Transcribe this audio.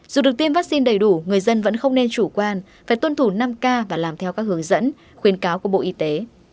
dù được tiêm vaccine đầy đủ người dân vẫn không nên chủ quan phải tuân thủ năm k và làm theo các hướng dẫn khuyến cáo của bộ y tế